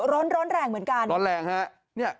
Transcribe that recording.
ร้อนแรงเหมือนกันร้อนแรงฮะร้อนแรง